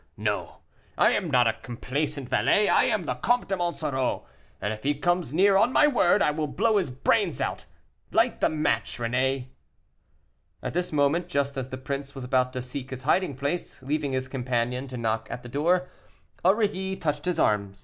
No, I am not a complaisant valet; I am the Comte de Monsoreau, and if he comes near, on my word, I will blow his brains out. Light the match, René." At this moment, just as the prince was about to seek his hiding place, leaving his companion to knock at the door, Aurilly touched his arm.